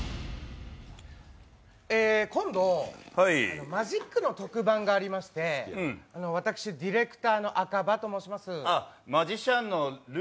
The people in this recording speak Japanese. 今度、マジックの特番がありまして私、ディレクターの赤羽ともうします。